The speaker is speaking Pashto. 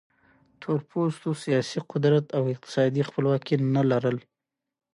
تور پوستو سیاسي قدرت او اقتصادي خپلواکي نه لرل.